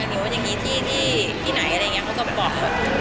ที่ไหนอะไรอย่างเงี้ยเขาก็บอกหมด